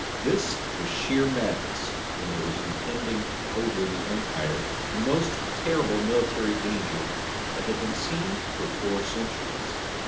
This was sheer madness, when there was impending over the empire the most terrible military danger that had been seen for four centuries.